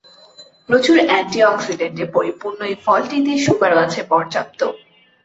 প্রচুর অ্যান্টি অ্যাক্সিডেন্টে পরিপূর্ণ এ ফলটিতে সুগারও আছে পর্যাপ্ত।